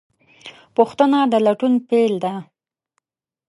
پوښتنه د لټون پیل ده.